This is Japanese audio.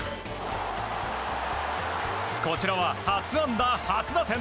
こちらは、初安打初打点。